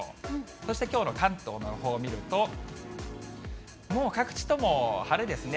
そしてきょうの関東の予報を見ると、もう各地とも晴れですね。